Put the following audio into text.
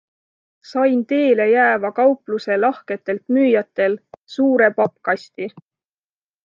Sain teele jääva kaupluse lahketelt müüjatel suure pappkasti.